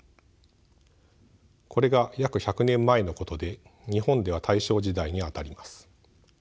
これが約１００年前のことで日本では大正時代にあたります。